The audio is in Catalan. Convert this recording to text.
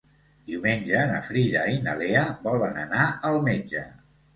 Diumenge na Frida i na Lea volen anar al metge.